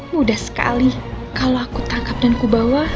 mudah sekali kalau aku tangkap dan ku bawa